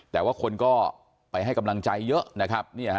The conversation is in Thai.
แต่ว่าคนก็ไปให้กำลังใจเยอะนะครับ